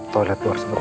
toilet luar sebentar